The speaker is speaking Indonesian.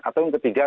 atau yang ketiga